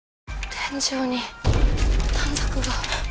天井に短冊が。